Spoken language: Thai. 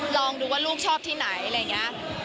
ลองดูว่าลูกชอบที่ไหนอะไรอย่างนี้